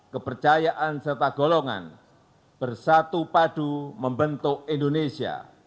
kepercayaan serta golongan bersatu padu membentuk indonesia